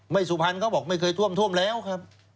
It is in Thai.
สุพรรณเขาบอกไม่เคยท่วมท่วมแล้วครับ